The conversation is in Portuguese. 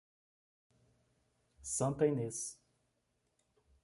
Santa Inês